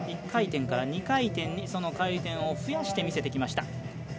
１回転から２回転にその回転を増やして見せてきました。